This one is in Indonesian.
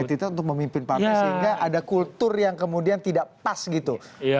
untuk memimpin partai sehingga ada kultur yang kemudian tidak pas gitu